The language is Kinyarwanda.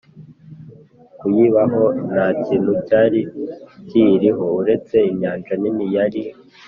kuyibaho. nta kintu cyari kiyiriho uretse inyanja nini yari